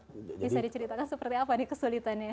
bisa diceritakan seperti apa nih kesulitannya